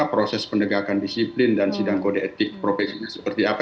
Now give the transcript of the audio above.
proses penegakan disiplin dan sidang kode etik profesinya seperti apa